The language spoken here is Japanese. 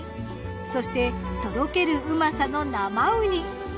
そしてとろけるうまさの生ウニ。